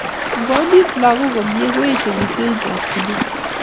Ngoamis lagok komie koechikitu eng chokchinet